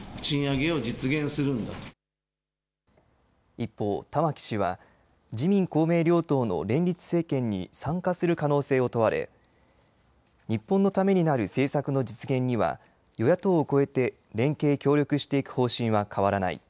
一方、玉木氏は自民公明両党の連立政権に参加する可能性を問われ日本のためになる政策の実現には与野党を超えて連携・協力していく方針は変わらない。